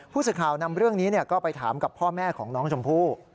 ผู้สื่อข่าวนำเรื่องนี้ก็ไปถามกับพ่อแม่ของน้องชมพู่